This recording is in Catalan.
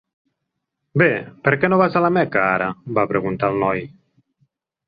"Bé, per què no vas a la Meca ara?", va preguntar el noi.